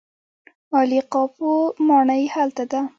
عالي قاپو ماڼۍ هلته ده.